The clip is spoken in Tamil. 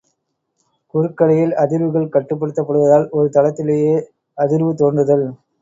குறுக்கலையில் அதிர்வுகள் கட்டுப்படுத்தப்படுவதால் ஒரு தளத்திலேயே அதிர்வு தோன்றுதல்.